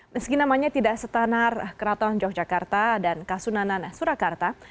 meski namanya tidak setanar keraton yogyakarta dan kasunanan surakarta